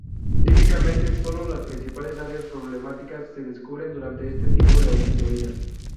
Típicamente, sólo las principales áreas problemáticas se descubren durante este tipo de auditoría.